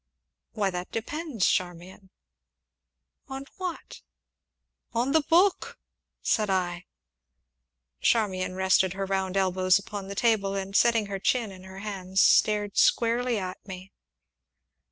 "Why, that depends, Charmian." "On what?" "On the book!" said I. Charmian rested her round elbows upon the table, and, setting her chin in her hands, stared squarely at me.